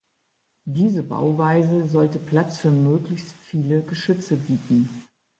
Diese Bauweise sollte Platz für möglichst viele Geschütze bieten.